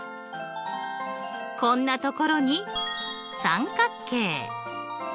こんなところに三角形。